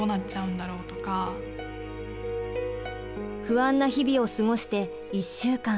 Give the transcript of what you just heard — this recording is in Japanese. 不安な日々を過ごして１週間。